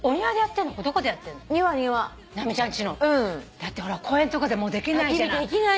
だって公園とかでもうできないじゃない。